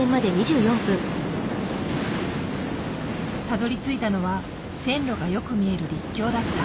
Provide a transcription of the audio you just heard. たどりついたのは線路がよく見える陸橋だった。